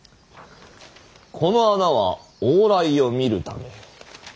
この穴は往来を見るため。